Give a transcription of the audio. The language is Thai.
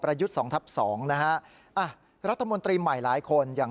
ประยุทธ์สองทับสองนะคะอ่ะรัฐมนตรีใหม่หลายคน